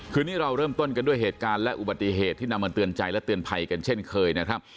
คืนนี้เราเริ่มต้นกันด้วยเหตุการณ์และอุบัติเหตุที่นำมาเตือนใจและเตือนภัยกันเช่นเคยนะครับ